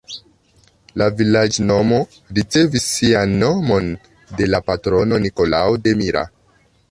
La vilaĝnomo ricevis sian nomon de la patrono Nikolao de Mira.